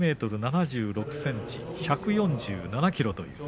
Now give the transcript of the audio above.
１ｍ７６ｃｍ、１４７ｋｇ。